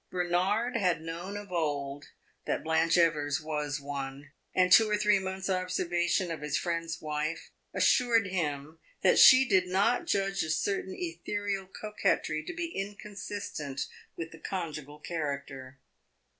Bernard had known of old that Blanche Evers was one, and two or three months' observation of his friend's wife assured him that she did not judge a certain ethereal coquetry to be inconsistent with the conjugal character.